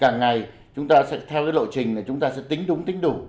càng ngày chúng ta sẽ theo lộ trình này chúng ta sẽ tính đúng tính đủ